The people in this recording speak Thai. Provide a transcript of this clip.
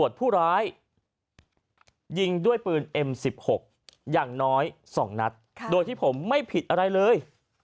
หังเลย